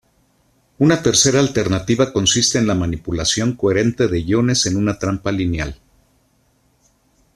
Una tercera alternativa consiste en la manipulación coherente de iones en una trampa lineal.